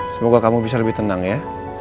semoga kamu bisa lebih tenang ya